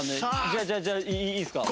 じゃあじゃあいいですか？